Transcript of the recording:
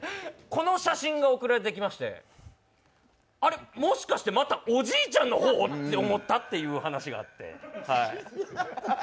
この写真が送られてきましてあれっ、もしかしてまたおじいちゃんの方！？って思ったことがあって。